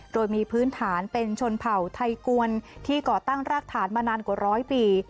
โดยมีพื้นฐานเป็นชนเผ่าไทยกวนที่ก่อตั้งรากฐานมานานกว่าร้อยปี